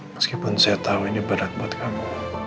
meskipun saya tahu ini berat buat kamu